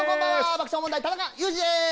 爆笑問題・田中裕二です